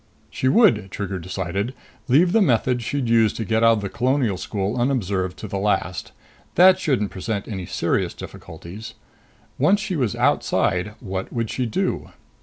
She would, Trigger decided, leave the method she'd use to get out of the Colonial School unobserved to the last. That shouldn't present any serious difficulties. Once she was outside, what would she do?